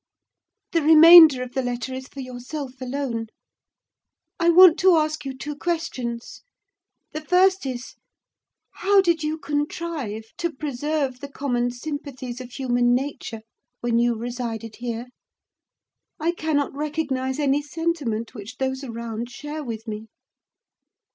The remainder of the letter is for yourself alone. I want to ask you two questions: the first is,—How did you contrive to preserve the common sympathies of human nature when you resided here? I cannot recognise any sentiment which those around share with me.